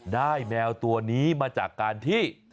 แมวตัวนี้มาจากการที่